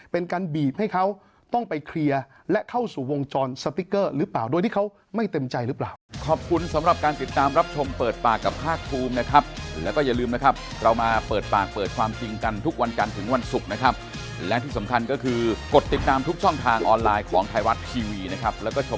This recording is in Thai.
เป็นการบีบให้เขาต้องไปเคลียร์และเข้าสู่วงจรสติ๊กเกอร์หรือเปล่าโดยที่เขาไม่เต็มใจหรือเปล่า